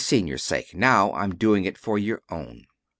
Senior's sake. Now I'm doing it for your own."